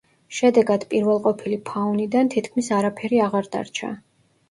შედეგად პირველყოფილი ფაუნიდან თითქმის არაფერი აღარ დარჩა.